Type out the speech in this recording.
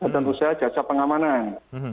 tentu saja jasa pengamanan